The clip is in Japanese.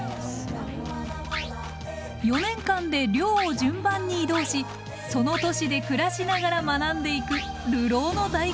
４年間で寮を順番に移動しその都市で暮らしながら学んでいく流浪の大学なんです。